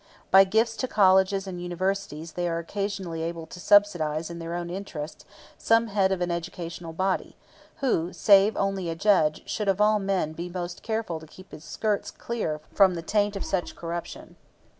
By gifts to colleges and universities they are occasionally able to subsidize in their own interest some head of an educational body, who, save only a judge, should of all men be most careful to keep his skirts clear from the taint of such corruption.